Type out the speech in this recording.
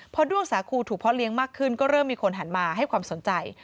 พอด้วงสาคูถูกพ่อเลี้ยงมากขึ้นก็เริ่มมีคนหันมาให้ความสนใจ